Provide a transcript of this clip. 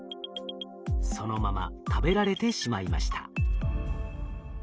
そのまま食べられてしまいました。